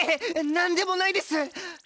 なんでもないです！